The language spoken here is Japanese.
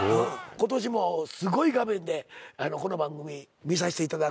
今年もすごい画面でこの番組見さしていただくんでね。